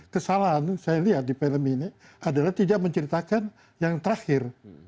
kesalahan saya lihat di film ini adalah tidak menceritakan yang terakhir